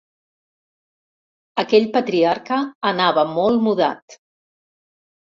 Aquell patriarca anava molt mudat.